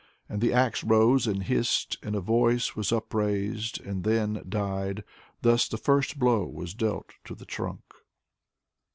And the ax rose and hissed — And a voice was upraised And then died. Thus the first blow was dealt to the trunk.